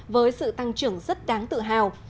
với sự tăng trưởng rất đáng tự hào